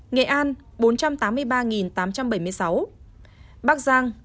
nghệ an bốn trăm tám mươi ba tám trăm bảy mươi sáu